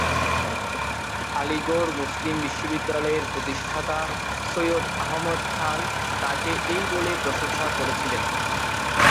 Aligarh Muslim বিশ্ববিদ্যালয়ের প্রতিষ্ঠাতা সৈয়দ আহমদ খান তাকে এই বলে প্রশংসা করেছিলেন,